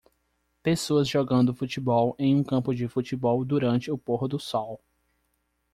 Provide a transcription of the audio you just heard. Pessoas jogando futebol em um campo de futebol durante o pôr do sol